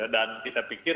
dan kita pikir